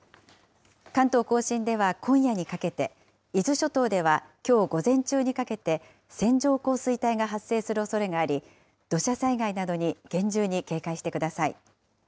関東甲信では、今夜にかけて、伊豆諸島ではきょう午前中にかけて、線状降水帯が発生するおそれがあり、土砂災害などに厳重に警戒してください。